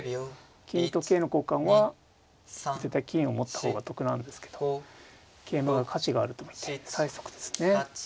金と桂の交換は絶対金を持った方が得なんですけど桂馬が価値があると見て催促ですね。